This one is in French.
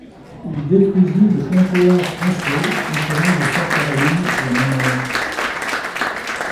Il détruisit le comptoir français concurrent de Fort Caroline la même année.